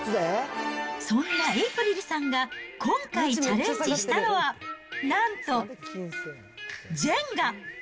そんなエイプリルさんが今回、チャレンジしたのは、なんとジェンガ。